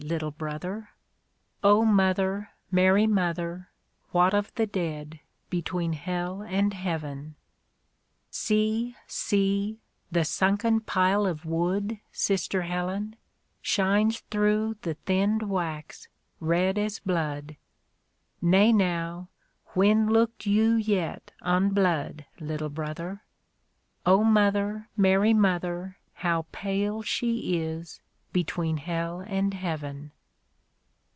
Little brother?" (O Mother, Mary Mother, What of the dead, between Hell and Heaven F) See, see, the sunken pile of wood. Sister Helen, Shines through the thinned wax red as blood !" Nay now, when looked you yet on blood,. Little brother?" (O Mother, Mary Mother, How pale she is, between Hell and Heaven